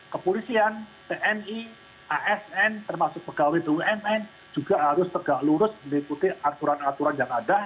kepolisian tni asn termasuk pegawai bumn juga harus tegak lurus mengikuti aturan aturan yang ada